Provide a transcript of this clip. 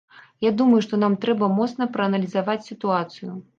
Я думаю, што нам трэба моцна прааналізаваць сітуацыю.